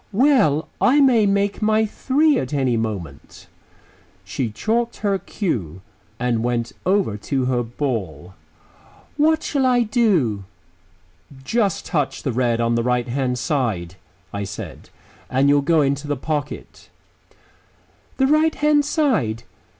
"Well, I may make my three at any moment." She chalked her cue and went over to her ball. "What shall I do?" "Just touch the red on the right hand side," I said, "and you'll go into the pocket." "The right hand side?